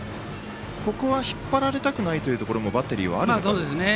ここは引っ張られたくないというところがバッテリーもあるんでしょうか。